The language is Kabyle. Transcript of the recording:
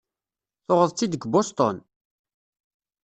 Tuɣeḍ-tt-id deg Boston?